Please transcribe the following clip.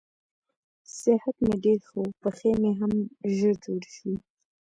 صحت مې ډېر ښه و، پښې مې هم ژر جوړې شوې.